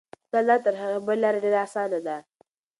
دا لاره تر هغې بلې لارې ډېره اسانه ده.